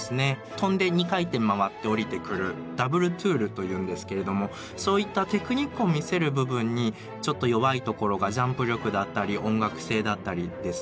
跳んで２回転まわって降りてくる「ダブルトゥール」というんですけれどもそういったテクニックを見せる部分にちょっと弱いところがジャンプ力だったり音楽性だったりですね